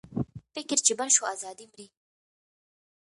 فکر چې بند شو، ازادي مري.